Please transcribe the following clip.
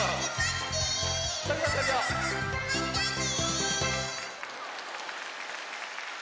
またね！